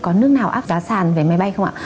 có nước nào áp giá sàn vé máy bay không ạ